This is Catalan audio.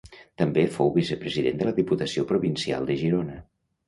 També fou vicepresident de la Diputació Provincial de Girona.